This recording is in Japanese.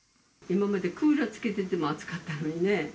今までクーラーつけてても暑かったのにね。